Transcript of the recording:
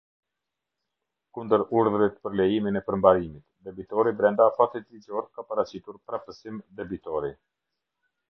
Kundër urdhërit për lejimin e përmbarimit, debitori brenda afatit ligjor ka paraqitur prapësim debitori.